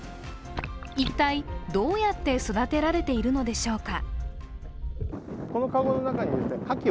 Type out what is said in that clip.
一体どうやって育てられているのでしょうか。